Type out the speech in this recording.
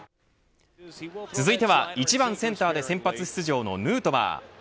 続いては１番センターで先発出場のヌートバー。